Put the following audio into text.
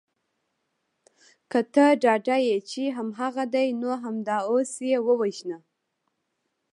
که ته ډاډه یې چې هماغه دی نو همدا اوس یې ووژنه